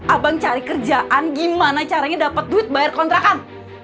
abang cari kerjaan gimana caranya dapat duit bayar kontrakan